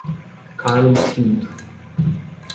Carlos Pinto